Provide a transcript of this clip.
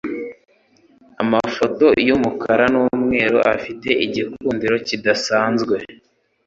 Amafoto yumukara numweru afite igikundiro kidasanzwe.